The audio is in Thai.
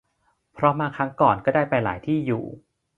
เพราะมาครั้งก่อนก็ได้ไปหลายที่อยู่